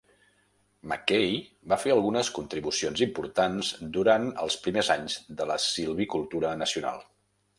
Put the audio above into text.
MacKaye va fer algunes contribucions importants durant els primers anys de la silvicultura nacional.